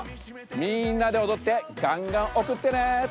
みんなでおどってがんがんおくってね！